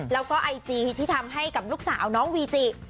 แล้วก็ไอจีที่ทำให้กับลูกสาวน้องวีจิ